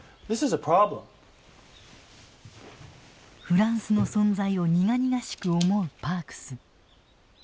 フランスの存在を苦々しく思うパークス。